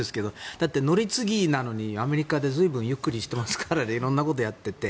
だって乗り継ぎなのにアメリカで随分、ゆっくりしてますからね色んなことをやっていて。